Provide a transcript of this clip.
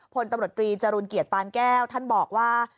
พลตำรวจตรีจรูลเกียรติปานแก้วท่านบอกว่า